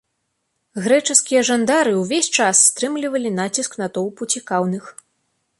Грэчаскія жандары ўвесь час стрымлівалі націск натоўпу цікаўных.